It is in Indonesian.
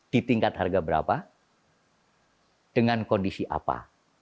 di tingkat harga berapa dengan kondisi apa